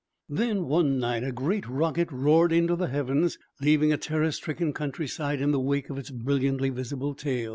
"Then, one night, a great rocket roared into the heavens, leaving a terror stricken countryside in the wake of its brilliantly visible tail.